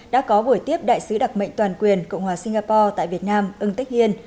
đã có buổi tiếp đại sứ đặc mệnh toàn quyền cộng hòa singapore tại việt nam ưng tech hiên